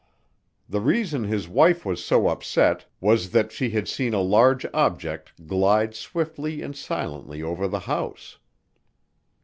The reason his wife was so upset was that she had seen a large object glide swiftly and silently over the house.